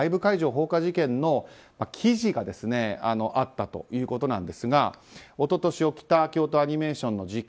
放火事件の記事があったということですが一昨年起きた京都アニメーションの事件